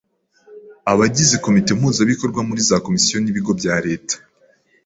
Abagize komite mpuzabikorwa muri za Komisiyo n’ibigo bya Leta